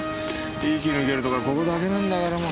息抜けるとこはここだけなんだから。